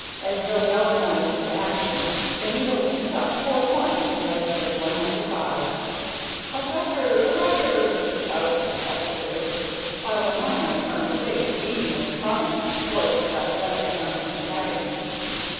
As though galvanized into action, the needle leaped up four points and registered 195. "A record! A record!" shouted the spectators, while the miner turned a face beaming with triumph towards his athletic young antagonist.